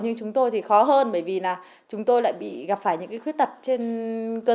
nhưng chúng tôi thì khó hơn bởi vì là chúng tôi lại bị gặp phải những cái khuyết tật trên cơ sở